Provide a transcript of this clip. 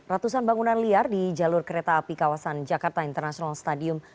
ratusan bangunan liar di jalur kereta api kawasan jakarta international stadium